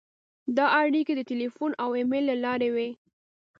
دا اړیکې د تیلفون او ایمېل له لارې وې.